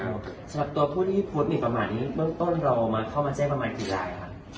สำหรับตัวผู้ที่พูดเห็นประมาณเบื้องต้นเราเข้ามาแจ้ประมาณกี่ลาย